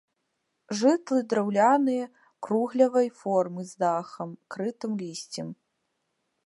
Жытлы драўляныя круглявай формы з дахам, крытым лісцем.